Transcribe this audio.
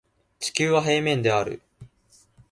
地球は平面である